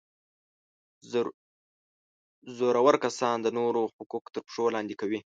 زورور کسان د نورو حقوق تر پښو لاندي کوي.